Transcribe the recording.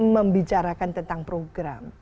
membicarakan tentang program